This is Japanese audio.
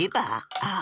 ああ？